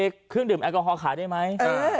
เครื่องดื่มแอลกอฮอลขายได้ไหม